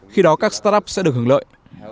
khi đó các startup sẽ được hưởng lợi